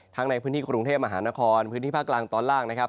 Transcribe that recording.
ในพื้นที่กรุงเทพมหานครพื้นที่ภาคกลางตอนล่างนะครับ